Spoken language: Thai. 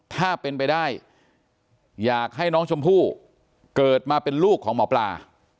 ถ้าเป็นไปได้อยากให้น้องชมพู่เกิดมาเป็นลูกของหมอปลา